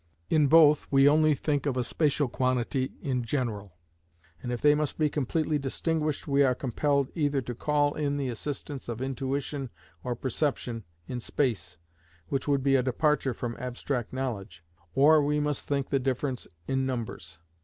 In both we only think of a spacial quantity in general, and if they must be completely distinguished we are compelled either to call in the assistance of intuition or perception in space, which would be a departure from abstract knowledge, or we must think the difference in numbers.